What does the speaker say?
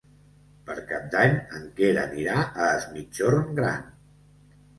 Per Cap d'Any en Quer anirà a Es Migjorn Gran.